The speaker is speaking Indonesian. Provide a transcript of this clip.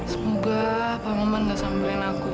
semoga pak ngoman nggak samberin aku